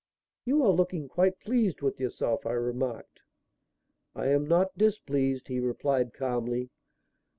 "You are looking quite pleased with yourself," I remarked. "I am not displeased," he replied calmly.